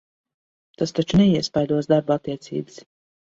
Tas taču neiespaidos darba attiecības?